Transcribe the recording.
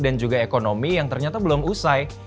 dan juga ekonomi yang ternyata belum usai